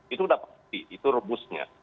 itu sudah pasti itu rebusnya